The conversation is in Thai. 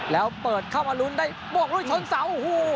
แล้วเปิดเข้ามาลุ้นได้บวกลุยชนเสาโอ้โห